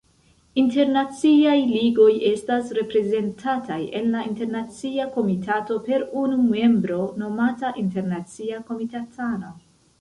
Internaciaj Ligoj estas reprezentataj en la Internacia Komitato per unu membro, nomata Internacia Komitatano.